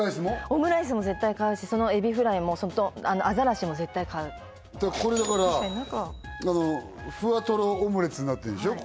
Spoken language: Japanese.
オムライスも絶対買うしそのエビフライもアザラシも絶対買うこれだからふわとろオムレツになってるんでしょ